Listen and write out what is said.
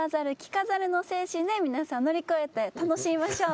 皆さん乗り越えて楽しみましょう。